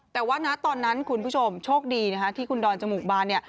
แต่ว่าตอนนั้นคุณผู้ชมโชคดีที่คุณดอนจมูกบาน